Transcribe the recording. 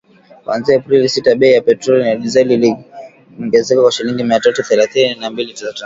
kuanzia Aprili sita bei ya petroli na dizeli iliongezeka kwa shilingi mia tatu thelathini na mbili za Tanzania